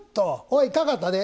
おい、かかったで！